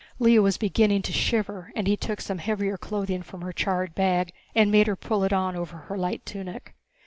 Lea was beginning to shiver, and he took some heavier clothing from her charred bag and made her pull it on over her light tunic.